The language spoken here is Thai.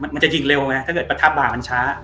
มันจะยิงเร็วไงถ้าเกิดประทับบ่ามันช้า